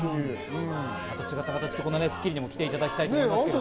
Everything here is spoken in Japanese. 違った形で、また『スッキリ』に来ていただきたいと思いますけど。